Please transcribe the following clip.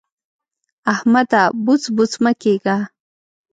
احمده! بوڅ بوڅ مه کېږه.